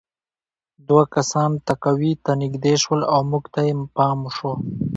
دوه کسان تهکوي ته نږدې شول او موږ ته یې پام شو